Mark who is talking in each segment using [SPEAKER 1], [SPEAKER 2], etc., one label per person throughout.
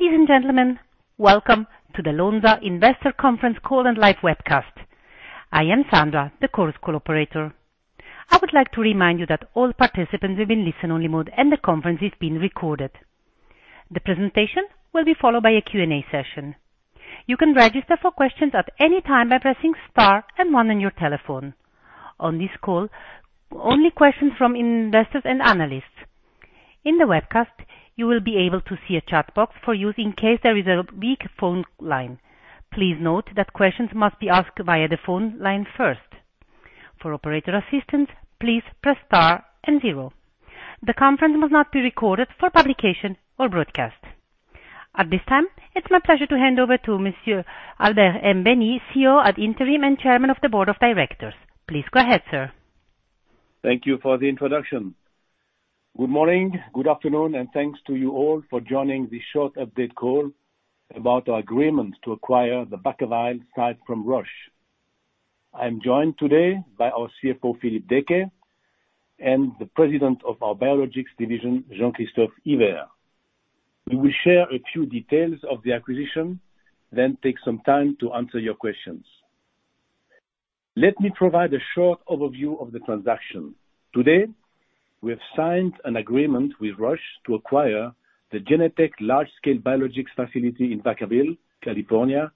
[SPEAKER 1] Ladies and gentlemen, welcome to the Lonza Investor Conference Call and live webcast. I am Sandra, the conference operator. I would like to remind you that all participants will be in listen-only mode and the conference is being recorded. The presentation will be followed by a Q&A session. You can register for questions at any time by pressing star and one on your telephone. On this call, only questions from investors and analysts. In the webcast, you will be able to see a chat box for use in case there is a weak phone line. Please note that questions must be asked via the phone line first. For operator assistance, please press star and zero. The conference must not be recorded for publication or broadcast. At this time, it's my pleasure to hand over to Monsieur Albert Baehny, CEO ad interim and Chairman of the Board of Directors. Please go ahead, sir.
[SPEAKER 2] Thank you for the introduction. Good morning, good afternoon, and thanks to you all for joining the short update call about our agreement to acquire the Vacaville site from Roche. I am joined today by our CFO, Philippe Deecke, and the president of our biologics division, Jean-Christophe Hyvert. We will share a few details of the acquisition, then take some time to answer your questions. Let me provide a short overview of the transaction. Today, we have signed an agreement with Roche to acquire the Genentech large-scale biologics facility in Vacaville, California,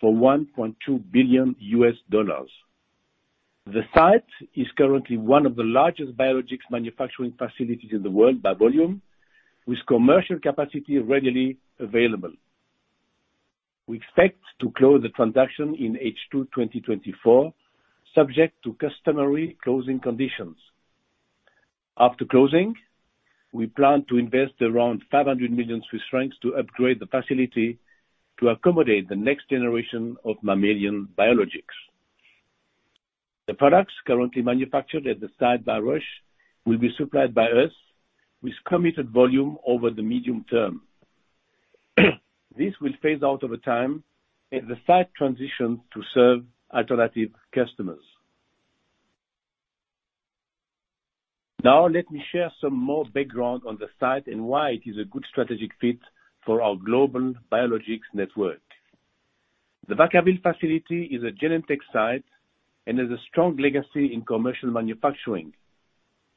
[SPEAKER 2] for $1.2 billion. The site is currently one of the largest biologics manufacturing facilities in the world by volume, with commercial capacity readily available. We expect to close the transaction in H2 2024, subject to customary closing conditions. After closing, we plan to invest around 500 million Swiss francs to upgrade the facility to accommodate the next generation of mammalian biologics. The products currently manufactured at the site by Roche will be supplied by us with committed volume over the medium term. This will phase out over time as the site transitions to serve alternative customers. Now, let me share some more background on the site and why it is a good strategic fit for our global biologics network. The Vacaville facility is a Genentech site and has a strong legacy in commercial manufacturing.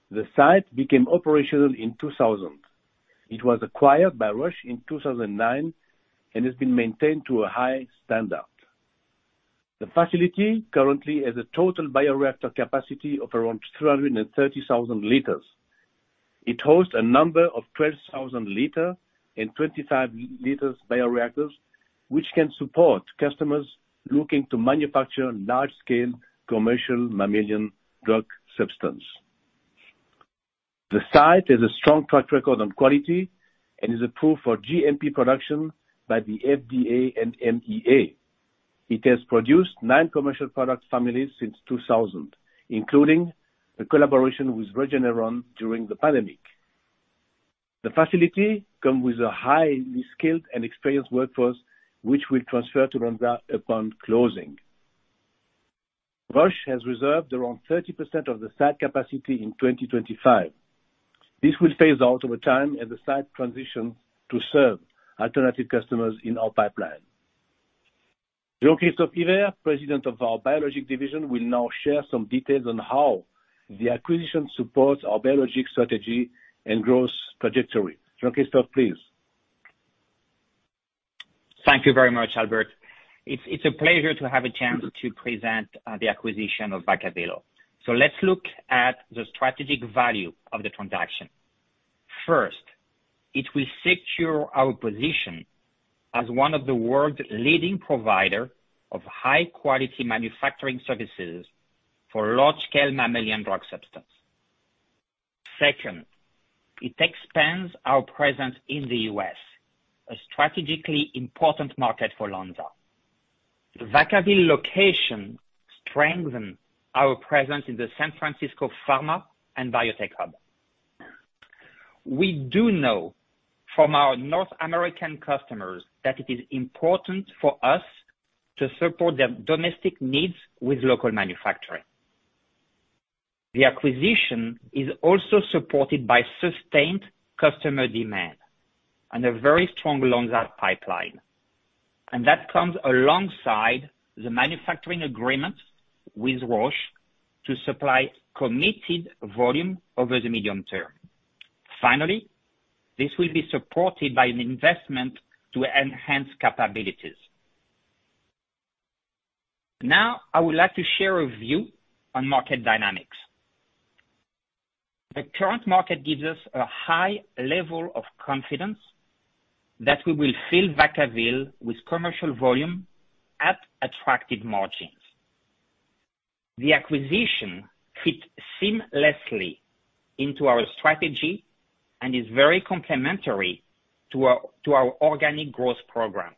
[SPEAKER 2] The site became operational in 2000. It was acquired by Roche in 2009 and has been maintained to a high standard. The facility currently has a total bioreactor capacity of around 330,000 liters. It hosts a number of 12,000-liter and 25,000-liter bioreactors, which can support customers looking to manufacture large-scale commercial mammalian drug substance. The site has a strong track record on quality and is approved for GMP production by the FDA and EMA. It has produced nine commercial product families since 2000, including a collaboration with Regeneron during the pandemic. The facility comes with a highly skilled and experienced workforce, which we'll transfer to Lonza upon closing. Roche has reserved around 30% of the site capacity in 2025. This will phase out over time as the site transitions to serve alternative customers in our pipeline. Jean-Christophe Hyvert, President of our Biologics Division, will now share some details on how the acquisition supports our Biologics strategy and growth trajectory. Jean-Christophe, please.
[SPEAKER 3] Thank you very much, Albert. It's a pleasure to have a chance to present the acquisition of Vacaville. Let's look at the strategic value of the transaction. First, it will secure our position as one of the world's leading providers of high-quality manufacturing services for large-scale mammalian drug substance. Second, it expands our presence in the U.S., a strategically important market for Lonza. The Vacaville location strengthens our presence in the San Francisco pharma and biotech hub. We do know from our North American customers that it is important for us to support their domestic needs with local manufacturing. The acquisition is also supported by sustained customer demand and a very strong Lonza pipeline. That comes alongside the manufacturing agreement with Roche to supply committed volume over the medium term. Finally, this will be supported by an investment to enhance capabilities. Now, I would like to share a view on market dynamics. The current market gives us a high level of confidence that we will fill Vacaville with commercial volume at attractive margins. The acquisition fits seamlessly into our strategy and is very complementary to our organic growth program.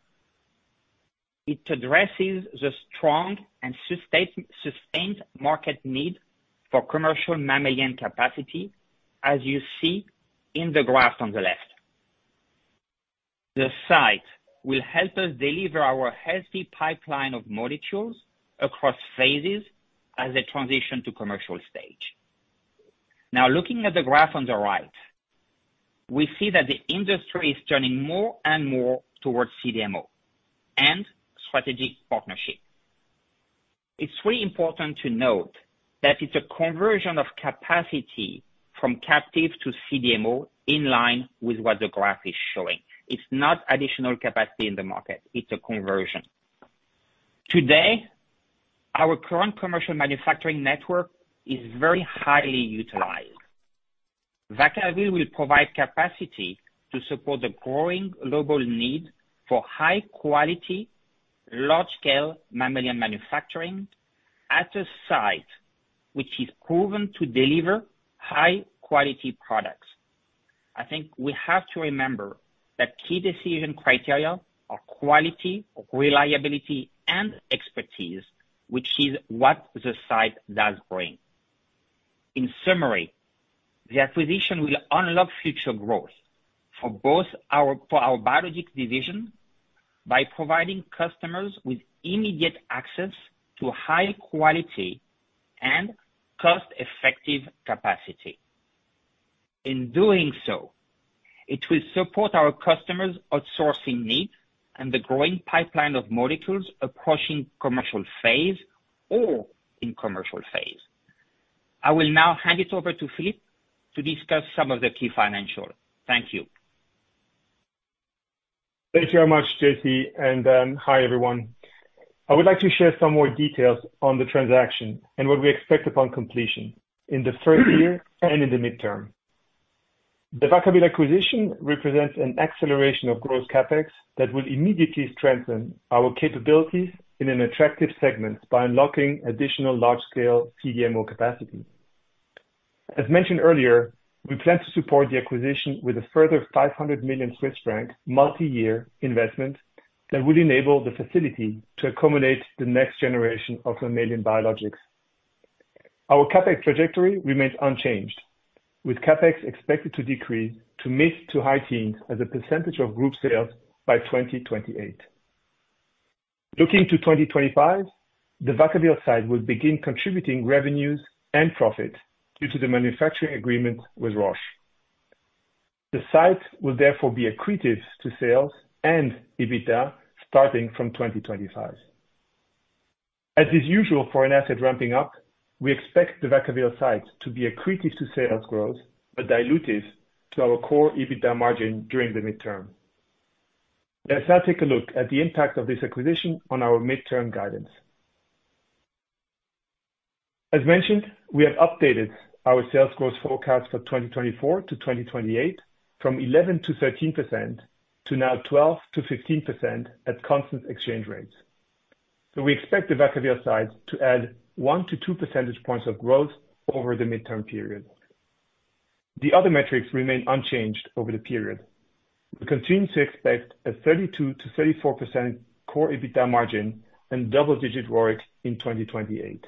[SPEAKER 3] It addresses the strong and sustained market need for commercial mammalian capacity, as you see in the graph on the left. The site will help us deliver our healthy pipeline of molecules across phases as they transition to the commercial stage. Now, looking at the graph on the right, we see that the industry is turning more and more towards CDMO and strategic partnership. It's really important to note that it's a conversion of capacity from captive to CDMO in line with what the graph is showing. It's not additional capacity in the market. It's a conversion. Today, our current commercial manufacturing network is very highly utilized. Vacaville will provide capacity to support the growing global need for high-quality, large-scale mammalian manufacturing at a site which is proven to deliver high-quality products. I think we have to remember that key decision criteria are quality, reliability, and expertise, which is what the site does bring. In summary, the acquisition will unlock future growth for both our Biologics Division by providing customers with immediate access to high-quality and cost-effective capacity. In doing so, it will support our customers' outsourcing needs and the growing pipeline of molecules approaching commercial phase or in commercial phase. I will now hand it over to Philippe to discuss some of the key financials. Thank you.
[SPEAKER 4] Thank you very much, JC. Hi, everyone. I would like to share some more details on the transaction and what we expect upon completion in the first year and in the midterm. The Vacaville acquisition represents an acceleration of growth CapEx that will immediately strengthen our capabilities in an attractive segment by unlocking additional large-scale CDMO capacity. As mentioned earlier, we plan to support the acquisition with a further 500 million Swiss franc multi-year investment that will enable the facility to accommodate the next generation of mammalian biologics. Our CapEx trajectory remains unchanged, with CapEx expected to decrease to mid- to high-teens percentage of group sales by 2028. Looking to 2025, the Vacaville site will begin contributing revenues and profit due to the manufacturing agreement with Roche. The site will therefore be accretive to sales and EBITDA starting from 2025. As is usual for an asset ramping up, we expect the Vacaville site to be accretive to sales growth but dilutive to our core EBITDA margin during the midterm. Let's now take a look at the impact of this acquisition on our midterm guidance. As mentioned, we have updated our sales growth forecast for 2024 to 2028 from 11%-13% to now 12%-15% at constant exchange rates. We expect the Vacaville site to add 1-2 percentage points of growth over the midterm period. The other metrics remain unchanged over the period. We continue to expect a 32%-34% core EBITDA margin and double-digit ROIC in 2028.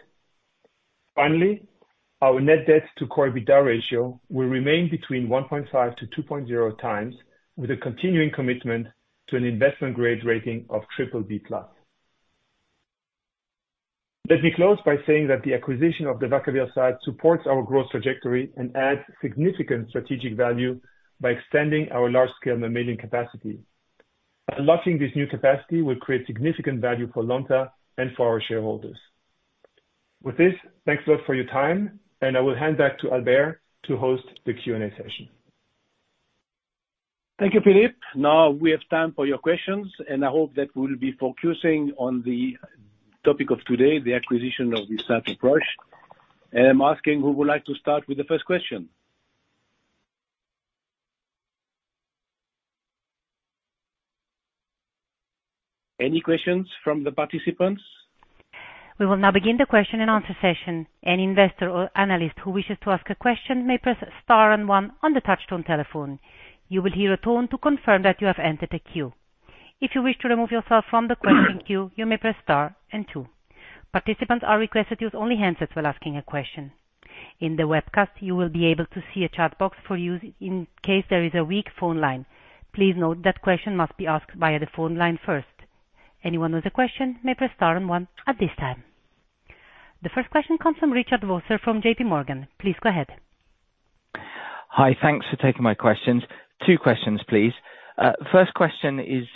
[SPEAKER 4] Finally, our net debt-to-core EBITDA ratio will remain between 1.5-2.0x, with a continuing commitment to an investment-grade rating of BBB+. Let me close by saying that the acquisition of the Vacaville site supports our growth trajectory and adds significant strategic value by extending our large-scale mammalian capacity. Unlocking this new capacity will create significant value for Lonza and for our shareholders. With this, thanks a lot for your time, and I will hand back to Albert to host the Q&A session.
[SPEAKER 2] Thank you, Philippe. Now, we have time for your questions, and I hope that we will be focusing on the topic of today, the acquisition of this site of Roche. I'm asking who would like to start with the first question. Any questions from the participants?
[SPEAKER 1] We will now begin the question-and-answer session. Any investor or analyst who wishes to ask a question may press star and one on the touch-tone telephone. You will hear a tone to confirm that you have entered a queue. If you wish to remove yourself from the question queue, you may press star and two. Participants are requested to use only handsets while asking a question. In the webcast, you will be able to see a chat box for use in case there is a weak phone line. Please note that question must be asked via the phone line first. Anyone with a question may press star and one at this time. The first question comes from Richard Vosser from JPMorgan. Please go ahead.
[SPEAKER 5] Hi. Thanks for taking my questions. Two questions, please. First question is,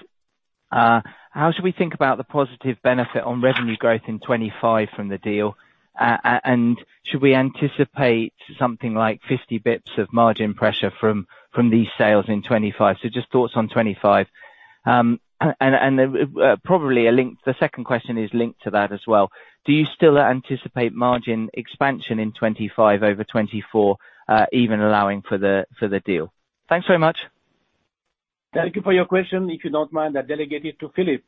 [SPEAKER 5] how should we think about the positive benefit on revenue growth in 2025 from the deal, and should we anticipate something like 50 basis points of margin pressure from these sales in 2025? So just thoughts on 2025. And probably the second question is linked to that as well. Do you still anticipate margin expansion in 2025 over 2024, even allowing for the deal? Thanks very much.
[SPEAKER 2] Thank you for your question. If you don't mind, I'll delegate it to Philippe.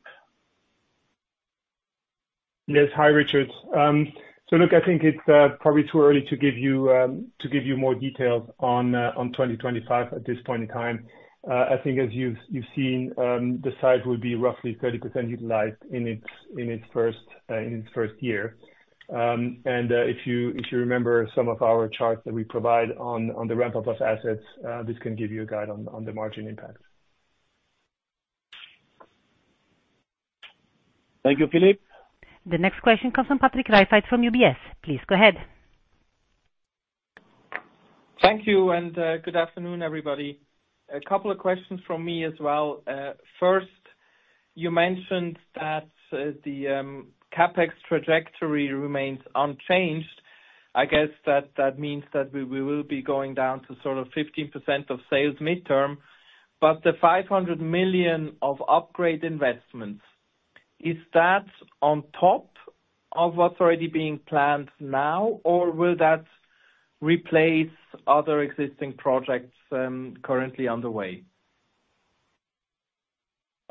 [SPEAKER 4] Yes. Hi, Richard. So look, I think it's probably too early to give you more details on 2025 at this point in time. I think, as you've seen, the site will be roughly 30% utilized in its first year. And if you remember some of our charts that we provide on the ramp-up of assets, this can give you a guide on the margin impact.
[SPEAKER 5] Thank you, Philippe.
[SPEAKER 1] The next question comes from Patrick Rafaisz from UBS. Please go ahead.
[SPEAKER 6] Thank you, and good afternoon, everybody. A couple of questions from me as well. First, you mentioned that the Capex trajectory remains unchanged. I guess that means that we will be going down to sort of 15% of sales midterm. But the 500 million of upgrade investments, is that on top of what's already being planned now, or will that replace other existing projects currently underway?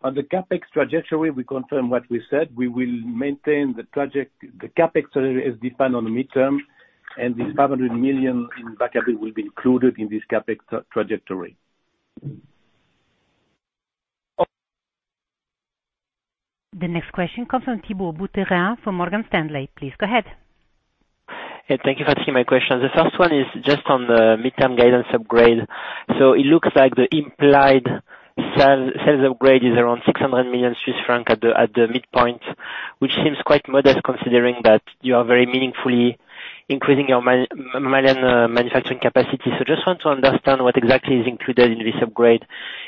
[SPEAKER 2] On the Capex trajectory, we confirm what we said. We will maintain the Capex trajectory as defined on the midterm, and these 500 million in Vacaville will be included in this Capex trajectory.
[SPEAKER 1] The next question comes from Thibault Boutherin from Morgan Stanley. Please go ahead.
[SPEAKER 7] Thank you for asking my question. The first one is just on the midterm guidance upgrade. So it looks like the implied sales upgrade is around 600 million Swiss francs at the midpoint, which seems quite modest considering that you are very meaningfully increasing your mammalian manufacturing capacity. So I just want to understand what exactly is included in this upgrade.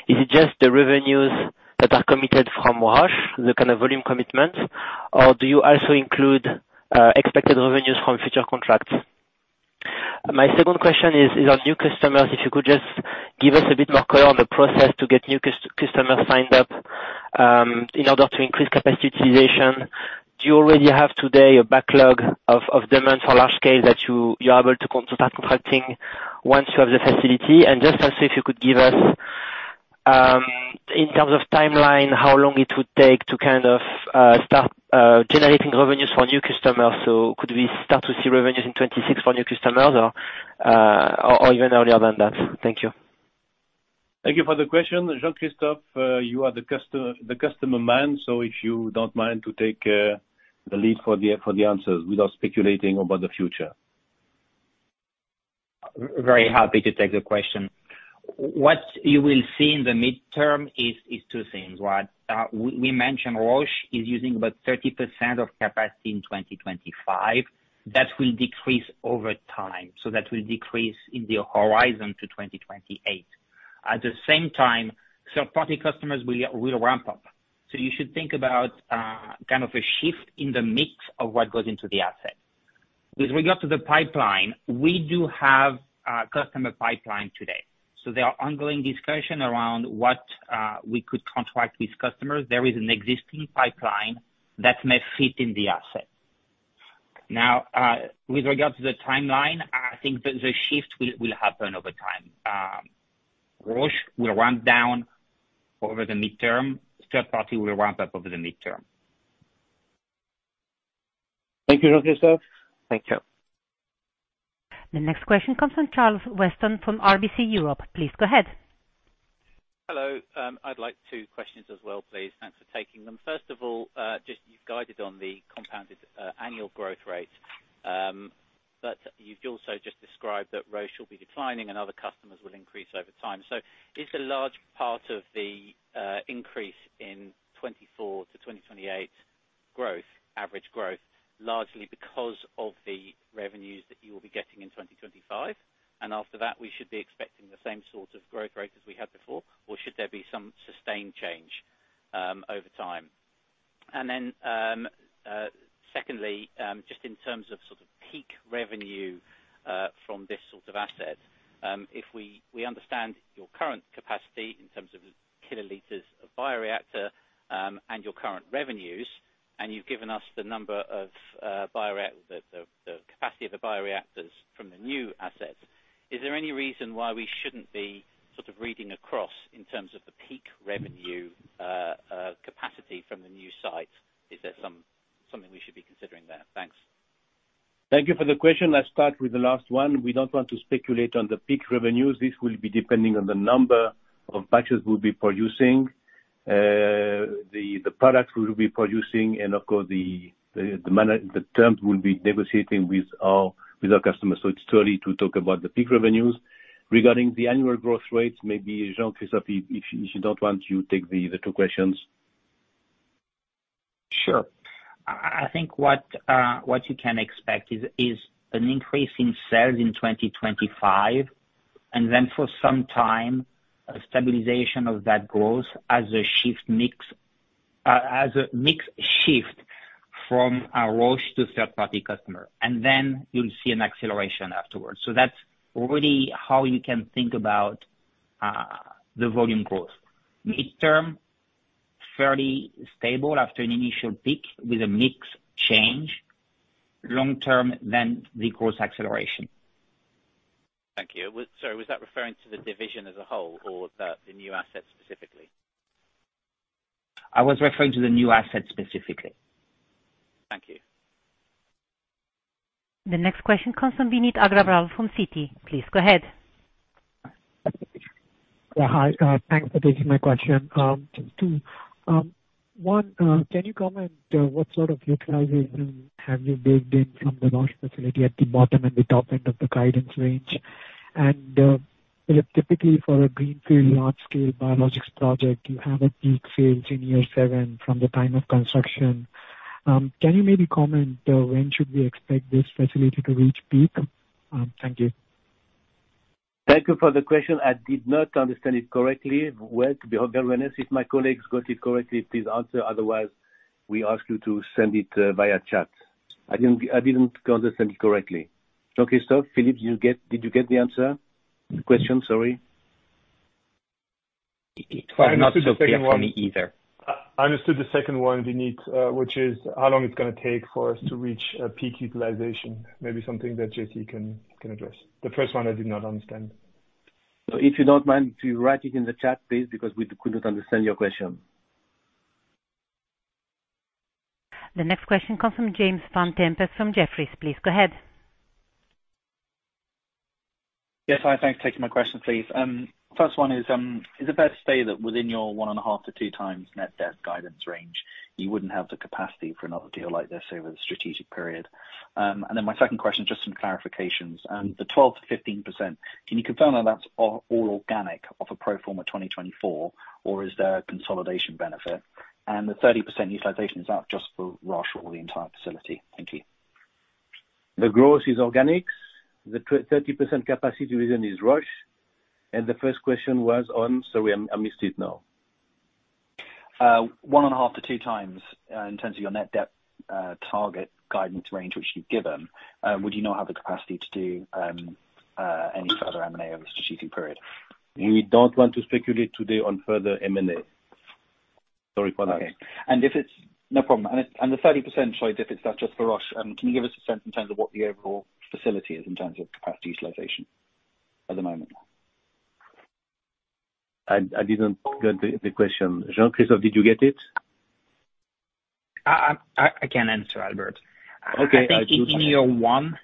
[SPEAKER 7] Is it just the revenues that are committed from Roche, the kind of volume commitments, or do you also include expected revenues from future contracts? My second question is on new customers if you could just give us a bit more color on the process to get new customers signed up in order to increase capacity utilization. Do you already have today a backlog of demand for large-scale that you're able to start contracting once you have the facility? Just also if you could give us, in terms of timeline, how long it would take to kind of start generating revenues for new customers. Could we start to see revenues in 2026 for new customers or even earlier than that? Thank you.
[SPEAKER 2] Thank you for the question. Jean-Christophe, you are the customer man, so if you don't mind to take the lead for the answers without speculating about the future.
[SPEAKER 3] Very happy to take the question. What you will see in the midterm is two things, right? We mentioned Roche is using about 30% of capacity in 2025. That will decrease over time. So that will decrease in the horizon to 2028. At the same time, third-party customers will ramp up. So you should think about kind of a shift in the mix of what goes into the asset. With regard to the pipeline, we do have a customer pipeline today. So there are ongoing discussions around what we could contract with customers. There is an existing pipeline that may fit in the asset. Now, with regard to the timeline, I think the shift will happen over time. Roche will ramp down over the midterm. Third-party will ramp up over the midterm.
[SPEAKER 7] Thank you, Jean-Christophe. Thank you.
[SPEAKER 1] The next question comes from Charles Weston from RBC Europe. Please go ahead.
[SPEAKER 8] Hello. I'd like two questions as well, please. Thanks for taking them. First of all, just you've guided on the compounded annual growth rate, but you've also just described that Roche will be declining and other customers will increase over time. So is the large part of the increase in 2024 to 2028 growth, average growth, largely because of the revenues that you will be getting in 2025? And after that, we should be expecting the same sort of growth rate as we had before, or should there be some sustained change over time? And then secondly, just in terms of sort of peak revenue from this sort of asset, if we understand your current capacity in terms of kiloliters of bioreactor and your current revenues, and you've given us the number of bioreactors, the capacity of the bioreactors from the new assets, is there any reason why we shouldn't be sort of reading across in terms of the peak revenue capacity from the new site? Is there something we should be considering there? Thanks.
[SPEAKER 2] Thank you for the question. Let's start with the last one. We don't want to speculate on the peak revenues. This will be depending on the number of batches we'll be producing, the products we'll be producing, and of course, the terms we'll be negotiating with our customers. So it's early to talk about the peak revenues. Regarding the annual growth rates, maybe Jean-Christophe, if you don't want, you take the two questions.
[SPEAKER 3] Sure. I think what you can expect is an increase in sales in 2025, and then for some time, a stabilization of that growth as a mixed shift from Roche to third-party customer. And then you'll see an acceleration afterwards. So that's really how you can think about the volume growth. Midterm, fairly stable after an initial peak with a mixed change. Long-term, then the growth acceleration.
[SPEAKER 8] Thank you. Sorry, was that referring to the division as a whole or the new asset specifically?
[SPEAKER 3] I was referring to the new asset specifically.
[SPEAKER 8] Thank you.
[SPEAKER 1] The next question comes from Vineet Agrawal from Citi. Please go ahead.
[SPEAKER 9] Yeah. Hi. Thanks for taking my question. 2. 1, can you comment what sort of utilization have you baked in from the Roche facility at the bottom and the top end of the guidance range? And Philippe, typically for a greenfield large-scale biologics project, you have a peak sales in year 7 from the time of construction. Can you maybe comment when should we expect this facility to reach peak? Thank you.
[SPEAKER 2] Thank you for the question. I did not understand it correctly. Well, to be of your awareness, if my colleagues got it correctly, please answer. Otherwise, we ask you to send it via chat. I didn't understand it correctly. Jean-Christophe, Philippe, did you get the answer? Question, sorry.
[SPEAKER 3] It's quite not so clear for me either.
[SPEAKER 4] I understood the second one, Vineet, which is how long it's going to take for us to reach peak utilization. Maybe something that J.C. can address. The first one, I did not understand.
[SPEAKER 2] So, if you don't mind, please write it in the chat, please, because we could not understand your question.
[SPEAKER 1] The next question comes from James Vane-Tempest from Jefferies, please. Go ahead.
[SPEAKER 10] Yes. Hi. Thanks for taking my question, please. First one is, is it fair to say that within your 1.5-2 times net debt guidance range, you wouldn't have the capacity for another deal like this over the strategic period? And then my second question, just some clarifications. The 12%-15%, can you confirm that that's all organic off a pro forma 2024, or is there a consolidation benefit? And the 30% utilization, is that just for Roche or the entire facility? Thank you.
[SPEAKER 2] The growth is organic. The 30% capacity reason is Roche. The first question was on sorry, I missed it now.
[SPEAKER 10] 1.5-2 times in terms of your net debt target guidance range, which you've given, would you now have the capacity to do any further M&A over the strategic period?
[SPEAKER 2] We don't want to speculate today on further M&A. Sorry for that.
[SPEAKER 10] Okay. If it's no problem, the 30%, sorry, if that's just for Roche, can you give us a sense in terms of what the overall facility is in terms of capacity utilization at the moment?
[SPEAKER 2] I didn't get the question. Jean-Christophe, did you get it?
[SPEAKER 3] I can answer, Albert. I think in year one,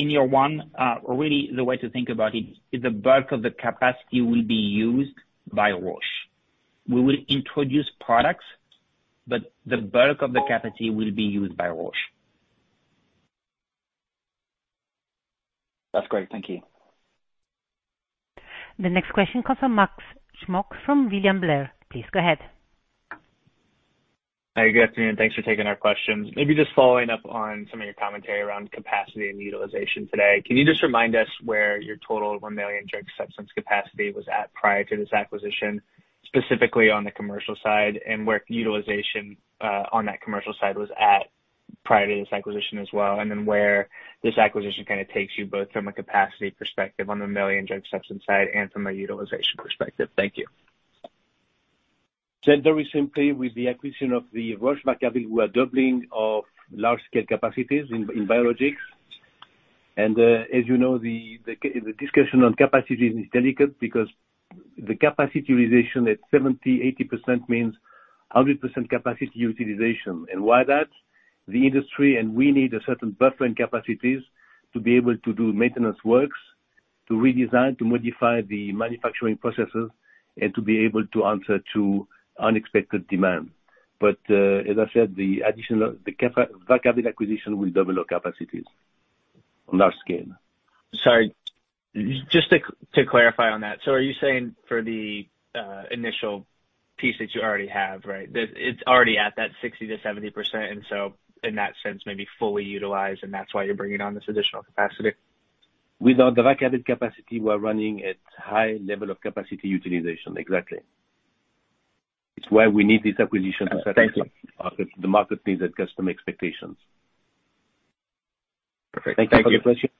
[SPEAKER 3] really, the way to think about it, the bulk of the capacity will be used by Roche. We will introduce products, but the bulk of the capacity will be used by Roche.
[SPEAKER 10] That's great. Thank you.
[SPEAKER 1] The next question comes from Max Smock from William Blair. Please go ahead.
[SPEAKER 11] Hi again, good afternoon. Thanks for taking our questions. Maybe just following up on some of your commentary around capacity and utilization today. Can you just remind us where your total 1 million drug substance capacity was at prior to this acquisition, specifically on the commercial side, and where utilization on that commercial side was at prior to this acquisition as well, and then where this acquisition kind of takes you both from a capacity perspective on the 1 million drug substance side and from a utilization perspective? Thank you.
[SPEAKER 2] Said very simply, with the acquisition of the Roche-Vacaville, we are doubling our large-scale capacities in biologics. And as you know, the discussion on capacities is delicate because the capacity utilization at 70%-80% means 100% capacity utilization. And why that? The industry and we need a certain buffering capacities to be able to do maintenance works, to redesign, to modify the manufacturing processes, and to be able to answer to unexpected demand. But as I said, the Vacaville acquisition will double our capacities on large scale.
[SPEAKER 11] Sorry. Just to clarify on that. So are you saying for the initial piece that you already have, right, it's already at that 60%-70%, and so in that sense, maybe fully utilized, and that's why you're bringing on this additional capacity?
[SPEAKER 2] Without the Vacaville capacity, we are running at high level of capacity utilization. Exactly. It's why we need this acquisition to satisfy the market needs at customer expectations.
[SPEAKER 11] Perfect. Thank you.
[SPEAKER 2] Thank you for the question.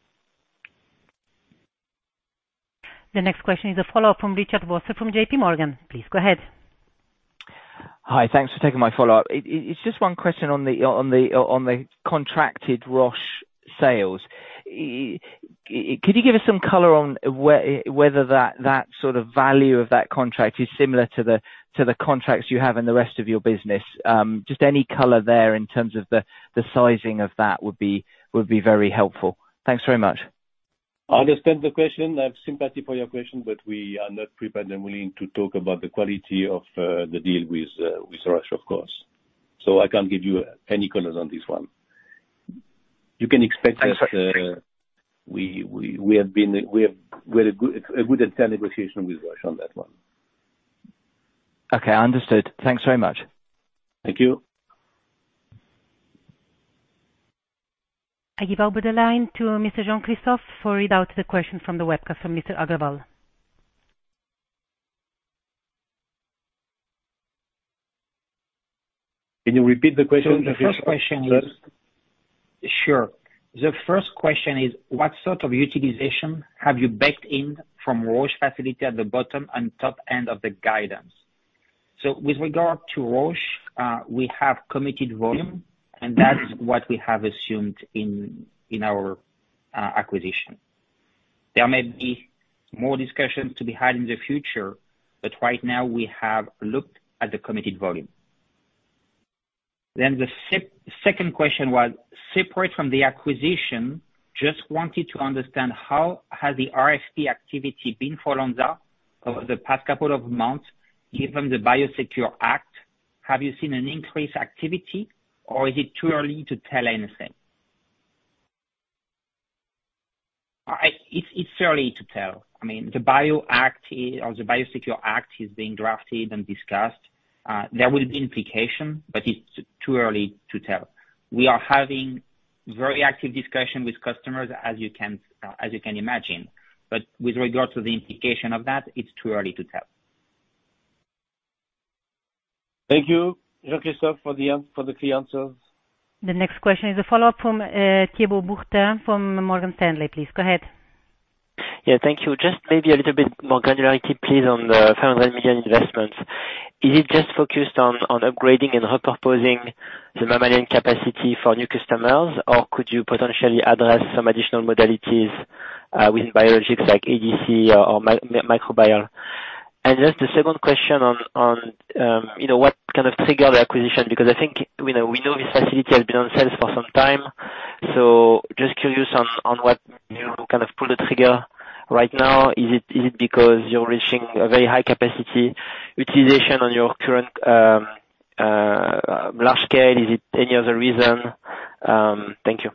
[SPEAKER 1] The next question is a follow-up from Richard Vosser from J.P. Morgan. Please go ahead.
[SPEAKER 5] Hi. Thanks for taking my follow-up. It's just one question on the contracted Roche sales. Could you give us some color on whether that sort of value of that contract is similar to the contracts you have in the rest of your business? Just any color there in terms of the sizing of that would be very helpful. Thanks very much.
[SPEAKER 2] I understand the question. I have sympathy for your question, but we are not prepared and willing to talk about the quality of the deal with Roche, of course. So I can't give you any colors on this one. You can expect that we have a good and fair negotiation with Roche on that one.
[SPEAKER 5] Okay. Understood. Thanks very much.
[SPEAKER 2] Thank you.
[SPEAKER 1] I give over the line to Mr. Jean-Christophe for reading out the question from the webcast from Mr. Agrawal.
[SPEAKER 2] Can you repeat the question?
[SPEAKER 3] The first question is. Sure. The first question is, what sort of utilization have you baked in from Roche facility at the bottom and top end of the guidance? So with regard to Roche, we have committed volume, and that is what we have assumed in our acquisition. There may be more discussions to be had in the future, but right now, we have looked at the committed volume. Then the second question was, separate from the acquisition, just wanted to understand how has the RFP activity been following that over the past couple of months given the Biosecure Act? Have you seen an increased activity, or is it too early to tell anything? It's too early to tell. I mean, the Bio Act or the Biosecure Act is being drafted and discussed. There will be implication, but it's too early to tell. We are having very active discussion with customers, as you can imagine. But with regard to the implication of that, it's too early to tell.
[SPEAKER 9] Thank you, Jean-Christophe, for the three answers.
[SPEAKER 1] The next question is a follow-up from Thibault Boutherin from Morgan Stanley, please. Go ahead.
[SPEAKER 7] Yeah. Thank you. Just maybe a little bit more granularity, please, on the 500 million investments. Is it just focused on upgrading and repurposing the mammalian capacity for new customers, or could you potentially address some additional modalities within biologics like ADC or microbiome? And just the second question on what kind of triggered the acquisition because I think we know this facility has been on sale for some time. So just curious on what kind of pulled the trigger right now. Is it because you're reaching a very high capacity utilization on your current large scale? Is it any other reason? Thank you.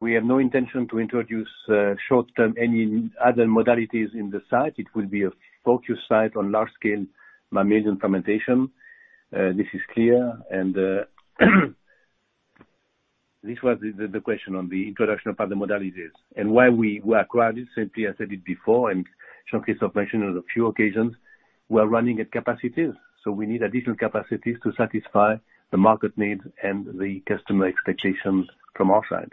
[SPEAKER 2] We have no intention to introduce short-term any other modalities in the site. It will be a focused site on large-scale mammalian fermentation. This is clear. This was the question on the introduction of other modalities and why we acquired it. Simply, I said it before, and Jean-Christophe mentioned on a few occasions, we are running at capacities. So we need additional capacities to satisfy the market needs and the customer expectations from our side.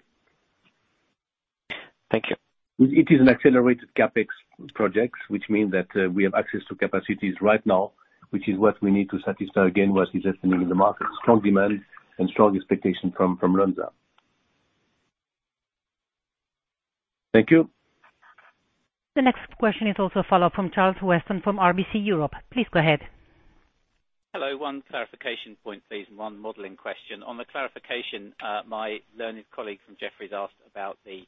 [SPEAKER 7] Thank you.
[SPEAKER 2] It is an accelerated CapEx project, which means that we have access to capacities right now, which is what we need to satisfy, again, what is happening in the market: strong demand and strong expectation from Lonza. Thank you.
[SPEAKER 1] The next question is also a follow-up from Charles Weston from RBC Europe. Please go ahead.
[SPEAKER 8] Hello. One clarification point, please, and one modeling question. On the clarification, my learned colleague from Jefferies asked about the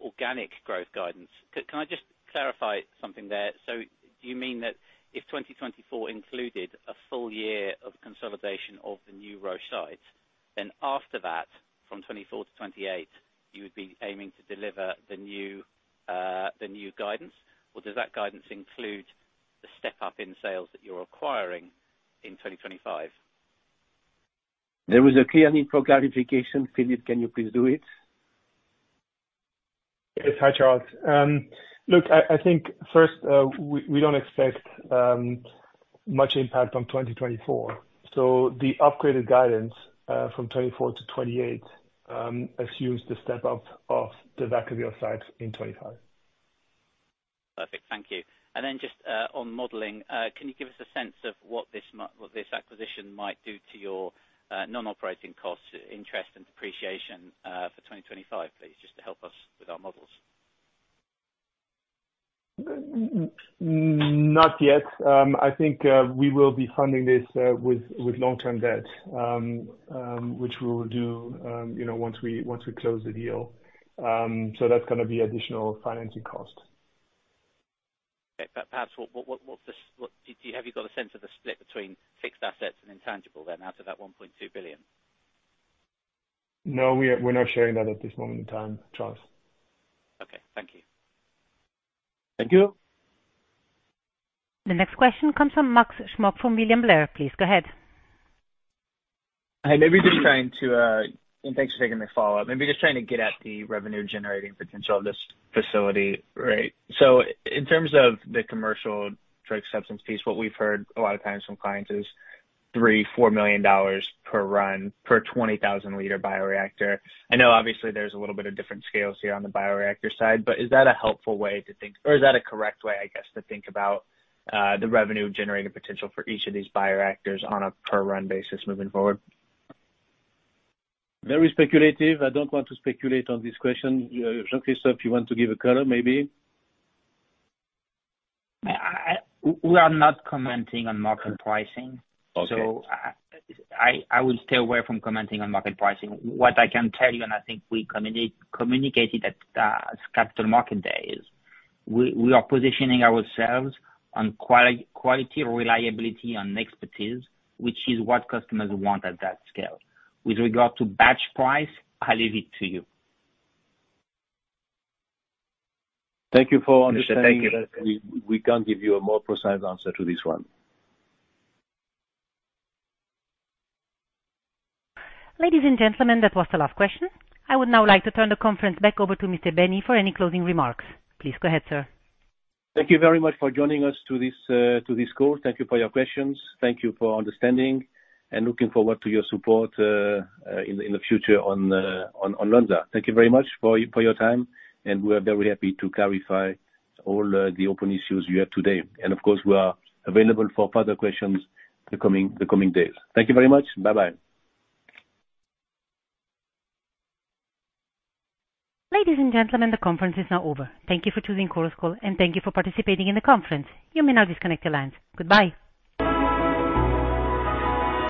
[SPEAKER 8] organic growth guidance. Can I just clarify something there? So do you mean that if 2024 included a full year of consolidation of the new Roche sites, then after that, from 2024 to 2028, you would be aiming to deliver the new guidance? Or does that guidance include the step-up in sales that you're acquiring in 2025?
[SPEAKER 2] There was a clear need for clarification. Philippe, can you please do it?
[SPEAKER 4] Yes. Hi, Charles. Look, I think first, we don't expect much impact on 2024. So the upgraded guidance from 2024 to 2028 assumes the step-up of the Vacaville sites in 2025.
[SPEAKER 8] Perfect. Thank you. And then just on modeling, can you give us a sense of what this acquisition might do to your non-operating costs, interest, and depreciation for 2025, please, just to help us with our models?
[SPEAKER 4] Not yet. I think we will be funding this with long-term debt, which we will do once we close the deal. So that's going to be additional financing cost.
[SPEAKER 8] Okay. Perhaps have you got a sense of the split between fixed assets and intangibles then out of that 1.2 billion?
[SPEAKER 4] No. We're not sharing that at this moment in time, Charles.
[SPEAKER 8] Okay. Thank you.
[SPEAKER 2] Thank you.
[SPEAKER 1] The next question comes from Max Smock from William Blair. Please go ahead.
[SPEAKER 11] Hi. Maybe just trying to and thanks for taking my follow-up. Maybe just trying to get at the revenue-generating potential of this facility, right? So in terms of the commercial drug substance piece, what we've heard a lot of times from clients is $3million-$4 million per run per 20,000-liter bioreactor. I know, obviously, there's a little bit of different scales here on the bioreactor side, but is that a helpful way to think or is that a correct way, I guess, to think about the revenue-generating potential for each of these bioreactors on a per-run basis moving forward?
[SPEAKER 2] Very speculative. I don't want to speculate on this question. Jean-Christophe, you want to give a color, maybe?
[SPEAKER 3] We are not commenting on market pricing. So I will stay away from commenting on market pricing. What I can tell you, and I think we communicated at Capital Markets Day, is we are positioning ourselves on quality, reliability, and expertise, which is what customers want at that scale. With regard to batch price, I leave it to you.
[SPEAKER 2] Thank you for understanding.
[SPEAKER 11] Thank you.
[SPEAKER 2] We can't give you a more precise answer to this one.
[SPEAKER 1] Ladies and gentlemen, that was the last question. I would now like to turn the conference back over to Mr. Baehny for any closing remarks. Please go ahead, sir.
[SPEAKER 2] Thank you very much for joining us to this call. Thank you for your questions. Thank you for your understanding and looking forward to your support in the future on Lonza. Thank you very much for your time, and we are very happy to clarify all the open issues you have today. Of course, we are available for further questions the coming days. Thank you very much. Bye-bye.
[SPEAKER 1] Ladies and gentlemen, the conference is now over. Thank you for choosing Chorus Call, and thank you for participating in the conference. You may now disconnect your lines. Goodbye.